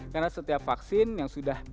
karena setiap vaksin yang sudah